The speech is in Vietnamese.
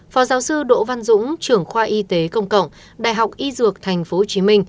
phó giáo sư đỗ văn dũng trưởng khoa y tế công cộng đại học y dược tp hcm